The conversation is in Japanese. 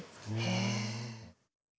へえ。